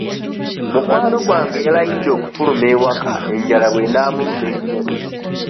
Mukwano gwange yalayidde okufuluma ewaka enjala bw'enaamuluma ennyo